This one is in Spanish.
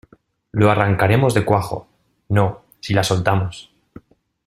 lo arrancaremos de cuajo. no, si la soltamos